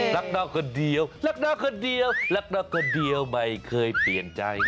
ลักล้อกลเดี่ยวลักล้อกลเดี่ยวลักล้อกลเดี่ยวไม่เคยเปลี่ยนใจ